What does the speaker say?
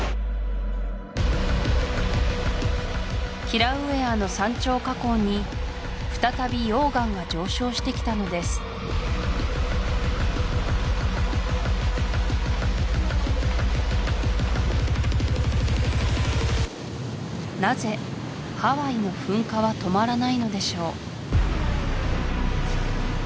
キラウエアの山頂火口に再び溶岩が上昇してきたのですなぜハワイの噴火は止まらないのでしょう